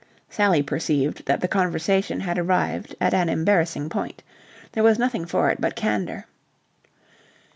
Sally perceived that the conversation had arrived at an embarrassing point. There was nothing for it but candour.